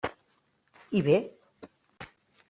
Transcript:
I bé.